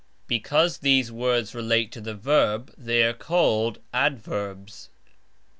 (Because these words relate to the verb they are called ADVERBS).